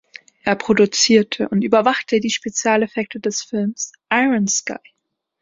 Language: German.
Er produzierte und überwachte die Spezialeffekte des Films "Iron Sky".